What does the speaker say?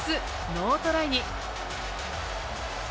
ノートライに。